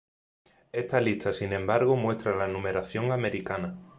Esta lista, sin embargo, muestra la numeración americana.